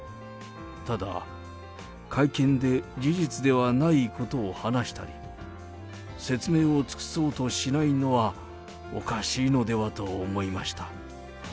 ただ、会見で事実ではないことを話したり、説明を尽くそうとしないのは、おかしいのではと思いました。